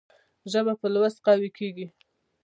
ژبه په لوست قوي کېږي.